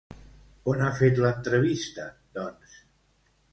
On ha fet l'entrevista, doncs?